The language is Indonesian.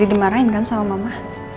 sampai mbak akhirnya yang kena marah sama mama